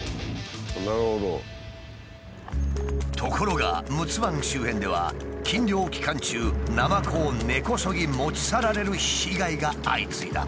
ところが陸奥湾周辺では禁漁期間中ナマコを根こそぎ持ち去られる被害が相次いだ。